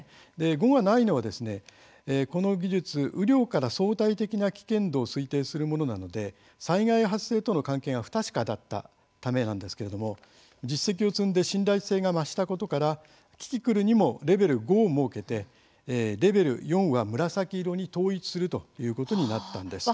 ５がないのは、この技術雨量から相対的な危険度を推定するものなので災害発生との関係が不確かだったためなんですけれど実績を積んで信頼性が増したことからキキクルにもレベル５を設けてレベル４は紫色に統一するということになったんです。